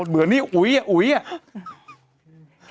เบื่อนิอุ๊ยอ่ะอุ๊ยอ่ะ